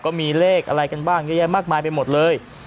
ก็มีเลขอะไรกันบ้างเยอะแยะมากมายไปหมดเลย